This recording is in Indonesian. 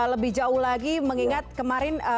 lebih jauh lagi mengingat kemarin